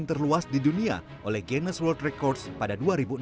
benteng terluas di dunia oleh guinness world records pada dua ribu enam